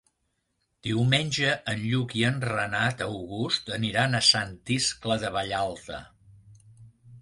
Diumenge en Lluc i en Renat August aniran a Sant Iscle de Vallalta.